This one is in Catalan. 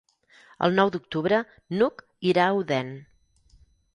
El nou d'octubre n'Hug irà a Odèn.